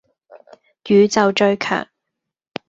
宇宙最強